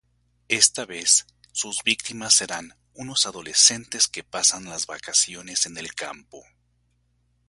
Esta vez sus víctimas serán unos adolescentes que pasan las vacaciones en el campo.